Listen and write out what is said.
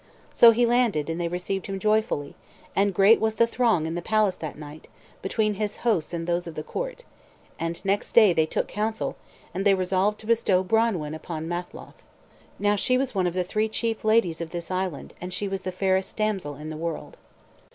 So he landed, and they received him joyfully; and great was the throng in the palace that night, between his hosts and those of the court; and next day they took counsel, and they resolved to bestow Branwen upon Matholch. Now she was one of the three chief ladies of this island, and she was the fairest damsel in the world.